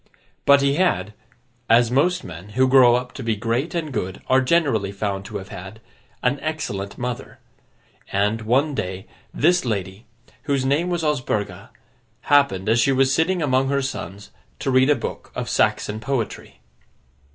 But he had—as most men who grow up to be great and good are generally found to have had—an excellent mother; and, one day, this lady, whose name was Osburga, happened, as she was sitting among her sons, to read a book of Saxon poetry.